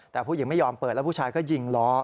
แต่ผู้หญิงไม่ยอมเปิดแล้วผู้ชายก็ยิงล้อ